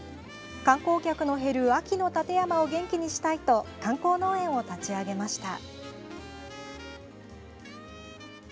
観光客の減る秋の館山を元気にしたいと観光農園を立ち上げました。